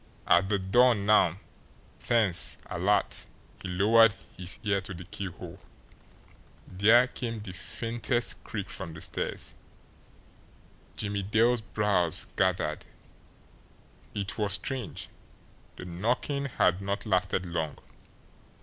At the door now, tense, alert, he lowered his ear to the keyhole. There came the faintest creak from the stairs. Jimmie Dale's brows gathered. It was strange! The knocking had not lasted long.